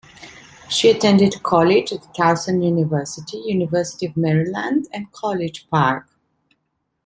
She attended college at Towson University, University of Maryland and College Park.